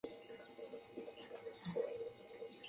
Todos los sucesores de Gurú Nanak son los gurús del sijismo.